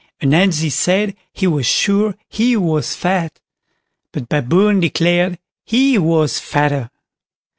Ananzi said he was sure he was fat, but Baboon declared he was fatter.